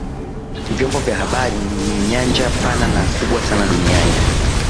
vyombo vya habari ni nyanja pana na kubwa sana duniani